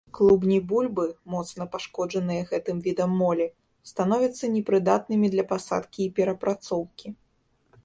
Клубні бульбы, моцна пашкоджаныя гэтым відам молі, становяцца непрыдатнымі для пасадкі і перапрацоўкі.